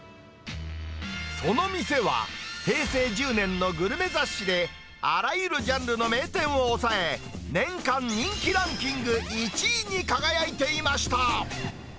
その店は、平成１０年のグルメ雑誌で、あらゆるジャンルの名店を抑え、年間人気ランキング１位に輝いていました。